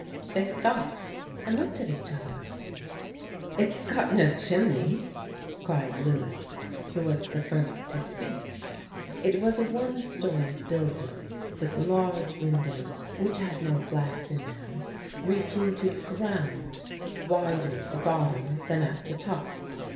They stopped and looked at each other. "It's got no chimney!" cried Lewis, who was the first to speak. It was a one storeyed building, with large windows (which had no glass in them) reaching to the ground, wider at the bottom than at the top.